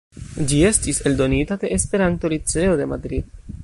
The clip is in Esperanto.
Ĝi estis eldonita de Esperanto-Liceo de Madrid.